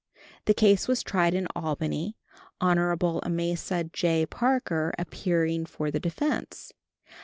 The case was tried at Albany, Hon. Amasa J. Parker appearing for the defense.